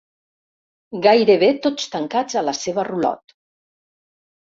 Gairebé tots tancats a la seva rulot.